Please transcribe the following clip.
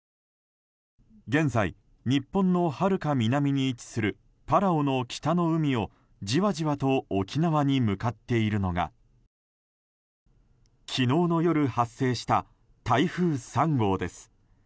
現在、日本のはるか南に位置するパラオの北の海をじわじわと沖縄に向かっているのが昨日の夜発生した台風３号です。